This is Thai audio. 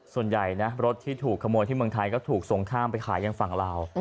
ส่วนใหญ่นะรถที่ถูกขโมยที่เมืองไทยก็ถูกส่งข้ามไปขายยังฝั่งลาว